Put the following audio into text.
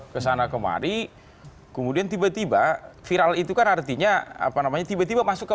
kesana kemari kemudian tiba tiba viral itu kan artinya apa namanya tiba tiba masuk ke